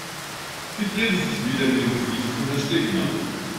Sie drehte sich wieder mit dem Gesicht zu Herrn Stegemann.